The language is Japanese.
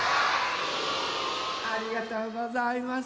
ありがとうございます。